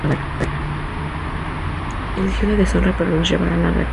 Eligió la deshonra, pero nos llevará a la guerra".